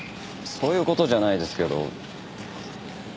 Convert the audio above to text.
そういう事じゃないですけど。